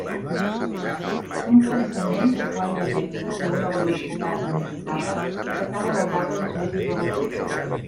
Un pensament que guanya adeptes a una velocitat inusitada i que cada vegada és més irrebatible.